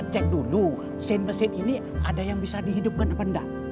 cek dulu mesin mesin ini ada yang bisa dihidupkan apa enggak